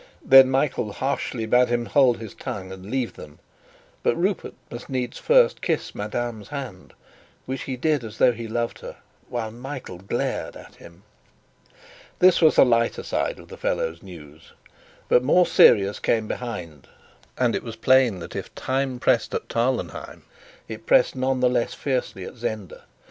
Then Michael harshly bade him hold his tongue, and leave them; but Rupert must needs first kiss madame's hand, which he did as though he loved her, while Michael glared at him. This was the lighter side of the fellow's news; but more serious came behind, and it was plain that if time pressed at Tarlenheim, it pressed none the less fiercely at Zenda.